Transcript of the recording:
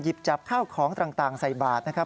จับข้าวของต่างใส่บาทนะครับ